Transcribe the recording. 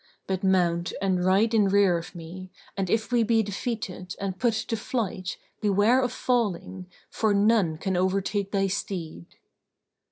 But mount and ride in rear of me, and if we be defeated and put to flight, beware of falling, for none can overtake thy steed."